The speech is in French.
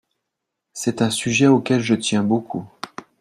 C’est un sujet auquel je tiens beaucoup.